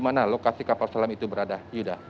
di mana lokasi kapal selam itu berada yuda